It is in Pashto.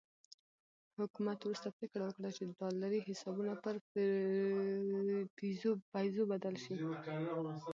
حکومت وروسته پرېکړه وکړه چې ډالري حسابونه پر پیزو بدل شي.